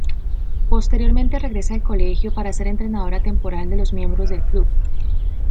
Posteriormente regresa al colegio para ser entrenadora temporal de los miembros del club.